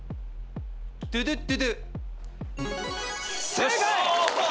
正解！